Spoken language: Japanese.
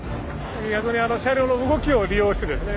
逆に車両の動きを利用してですね